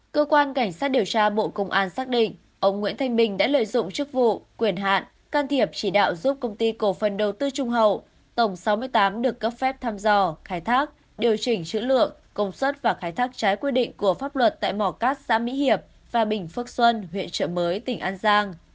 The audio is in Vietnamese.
cơ quan cảnh sát điều tra bộ công an xác định ông nguyễn thanh bình đã lợi dụng chức vụ quyền hạn can thiệp chỉ đạo giúp công ty cổ phần đầu tư trung hậu tổng sáu mươi tám được cấp phép thăm dò khai thác điều chỉnh chữ lượng công suất và khai thác trái quy định của pháp luật tại mỏ cát xã mỹ hiệp và bình phước xuân huyện trợ mới tỉnh an giang